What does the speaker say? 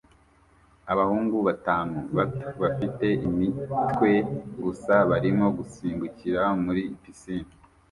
Abahungu batanu bato bafite imitwe gusa barimo gusimbukira muri pisine